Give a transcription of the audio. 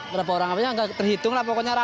berapa orang apanya tidak terhitung lah pokoknya ramai